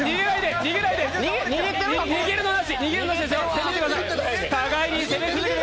逃げるのなし。